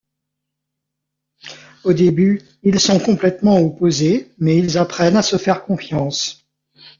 Au début, ils sont complètement opposés, mais ils apprennent à se faire confiance.